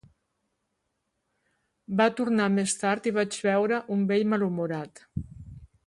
Va tornar més tard i vaig veure un vell malhumorat.